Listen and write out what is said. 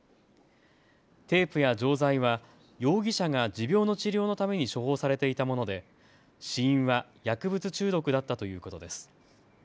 テープや錠剤は容疑者が持病の治療のために処方されていたもので死因は薬物中毒だったということです。